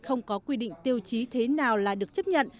không có quy định tiêu chí thế nào là được chấp nhận